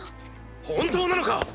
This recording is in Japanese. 本当なのか⁉いや。